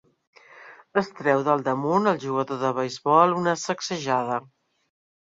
Es treu del damunt el jugador de beisbol una sacsejada.